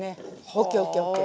ＯＫＯＫＯＫ。